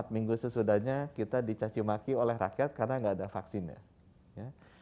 empat minggu sesudahnya kita dicacimaki oleh rakyat karena nggak ada vaksinnya